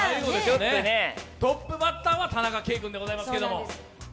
トップバッターは田中圭君でございますけど。